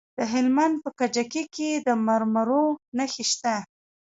د هلمند په کجکي کې د مرمرو نښې شته.